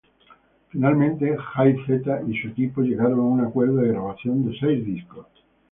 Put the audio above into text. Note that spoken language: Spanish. Finalmente Jay-Z y su equipo llegaron a un acuerdo de grabación de seis discos.